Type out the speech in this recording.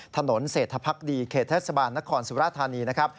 ถนนเศรษฐภักดีเขตเทศบาลนครสุราธานีนะครับ